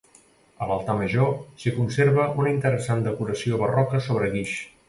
A l'altar major, s'hi conserva una interessant decoració barroca sobre guix.